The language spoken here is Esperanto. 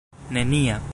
nenia